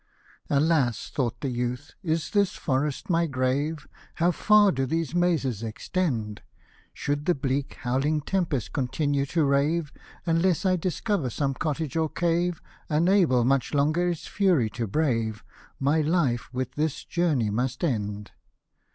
" Alas, !" thought the youth, " is this forest my grave, How far do these mazes extend ? Should the bleak, howling tempest continue to rave, Unless I discover some cottage or cave, Unable much longer its fury to brave, My life with this journey must end."